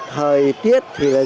thời tiết thì rất đẹp